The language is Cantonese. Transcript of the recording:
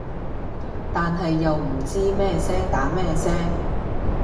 但係又唔知咩聲打咩聲